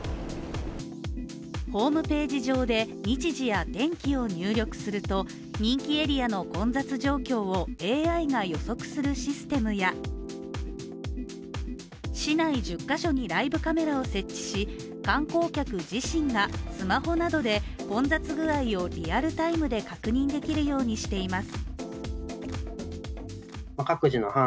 ホームページ上で日時や天気を入力すると人気エリアの混雑状況をＡＩが予測するシステムや市内１０か所にライブカメラを設置し、観光客自身がスマホなどで混雑具合をリアルタイムで確認できるようにしています。